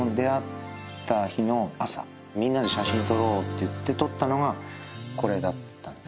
みんなで写真撮ろうって言って撮ったのがこれだった。